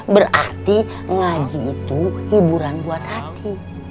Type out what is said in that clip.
berarti ngaji itu hiburan buat hati